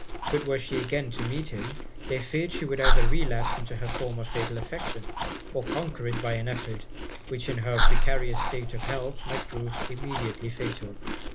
But were she again to meet him, they feared she would either relapse into her former fatal affection, or conquer it by an effort, which in her precarious state of health might prove immediately fatal.